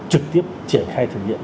trực tiếp triển khai thực hiện